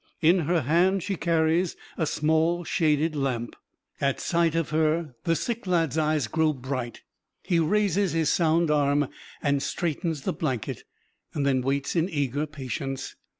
In her hand she carries a small shaded lamp. At sight of her the sick lad's eyes grow bright; he raises his sound arm and straightens the blanket, then waits in eager patience.